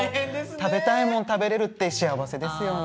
食べたいもの食べられるって幸せですよね